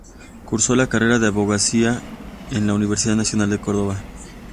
Cursó la carrera de Abogacía en la Universidad Nacional de Córdoba.